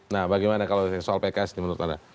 nah bagaimana kalau soal pks ini menurut anda